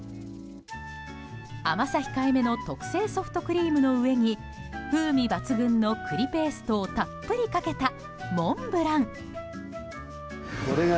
甘さ控えめの特製ソフトクリームの上に風味抜群の栗ペーストをたっぷりかけたモンブラン。